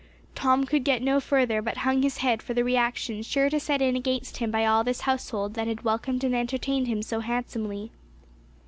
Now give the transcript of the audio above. Tom could get no further, but hung his head for the reaction sure to set in against him by all this household that had welcomed and entertained him so handsomely.